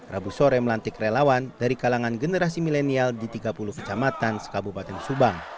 rabu sore melantik relawan dari kalangan generasi milenial di tiga puluh kecamatan sekabupaten subang